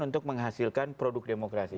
untuk menghasilkan produk demokrasi